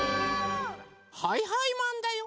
はいはいマンだよ！